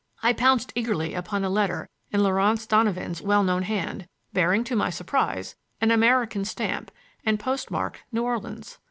I pounced eagerly upon a letter in Laurance Donovan's well known hand, bearing, to my surprise, an American stamp and postmarked New Orleans.